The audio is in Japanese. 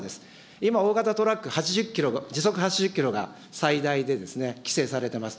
今、大型トラック、８０キロ、時速８０キロが最大で規制されてます。